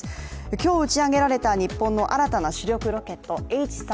今日打ち上げられた日本の新たな主力ロケットＨ３